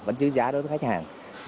vẫn giữ giá đối với khách hàng